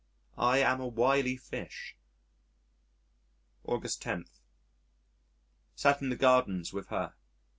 I am a wily fish. August 10. Sat in the gardens with her.